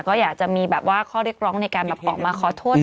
ก็อยากจะมีแบบว่าข้อเรียกร้องในการแบบออกมาขอโทษ